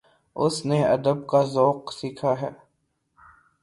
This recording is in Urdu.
اس نے ادب کا ذوق سیکھا